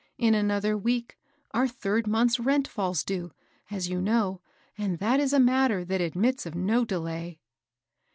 In another week, our third month's rent falls due, as you know, and that is a matter that admits of no delay."